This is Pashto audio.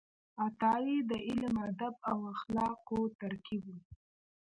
عطايي د علم، ادب او اخلاقو ترکیب و.